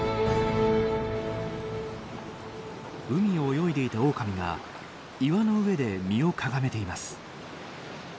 海を泳いでいたオオカミが岩の上で身をかがめています。